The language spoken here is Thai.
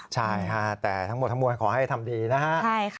ใช่ค่ะแต่ทั้งหมดทั้งมวลขอให้ทำดีนะฮะ